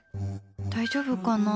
大丈夫かな。